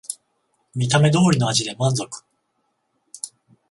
見た目通りの味で満足